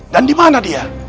dan dimana dia